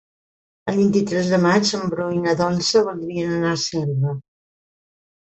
El vint-i-tres de maig en Bru i na Dolça voldrien anar a Selva.